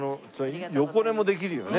横寝もできるよね。